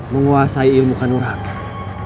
menguasai ilmu kanurakan